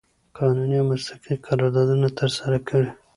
قانوني او مسلکي قراردادونه ترسره کړي